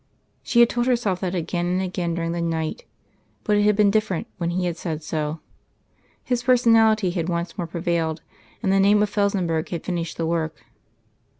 She had told herself that again and again during the night, but it had been different when he had said so. His personality had once more prevailed; and the name of Felsenburgh had finished the work.